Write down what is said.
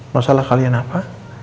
masalah kalian apa